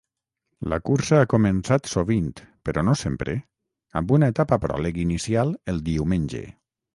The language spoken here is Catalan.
La cursa ha començat sovint, però no sempre, amb una etapa pròleg inicial el diumenge.